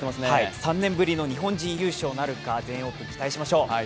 ３年ぶりの日本人優勝なるか、全英女子オープン、期待しましょう。